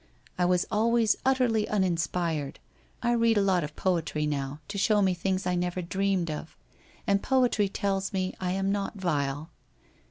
I was always utterly uninspired, I read a lot of poetry now, to show me things I never dreamed of, and poetry tells me I am not vile.